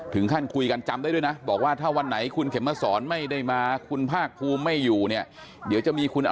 ดูผมดูคุณเขมมะสอนเนี่ย